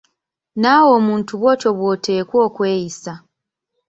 Naawe omuntu bw’otyo bw’oteekwa okweyisa.